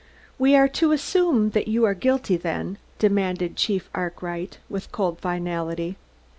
"We are to assume that you are guilty, then?" demanded Chief Arkwright with cold finality.